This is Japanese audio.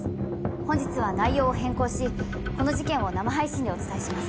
本日は内容を変更しこの事件を生配信でお伝えします